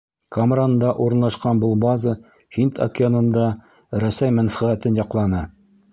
Камранда урынлашҡан был база Һинд океанында Рәсәй мәнфәғәтен яҡланы.